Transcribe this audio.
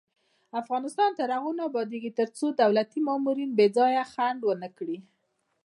افغانستان تر هغو نه ابادیږي، ترڅو دولتي مامورین بې ځایه ځنډ ونه کړي.